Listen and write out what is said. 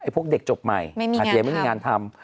พวกเด็กจบใหม่อาจจะยังไม่มีงานทำ